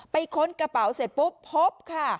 ค้นกระเป๋าเสร็จปุ๊บพบค่ะ